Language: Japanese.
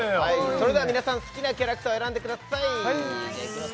それでは皆さん好きなキャラクターを選んでくださいじゃあいきます